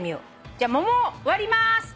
じゃ桃割ります！